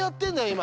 今！